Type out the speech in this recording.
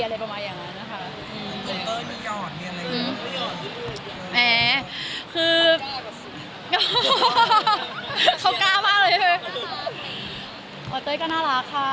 อะไรประมาณนั้น